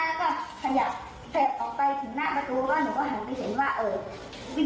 แล้วก็ขยับขยับออกไปถึงหน้าประตูก็หนูก็หันไปเห็นว่าเออวิ่งวิ่งไปหาผู้ผู้ชายค่ะ